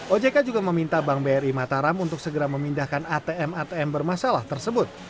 ojk juga meminta bank bri mataram untuk segera memindahkan atm atm bermasalah tersebut